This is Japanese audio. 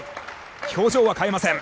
表情は変えません。